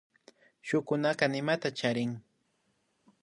Shukunaka nimata charin